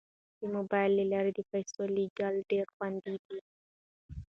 د موبایل له لارې د پيسو لیږل ډیر خوندي دي.